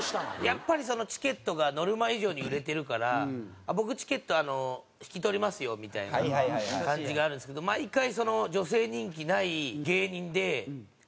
やっぱりチケットがノルマ以上に売れてるから「僕チケット引き取りますよ」みたいな感じがあるんですけど毎回女性人気ない芸人でジャンケン大会になるんですね。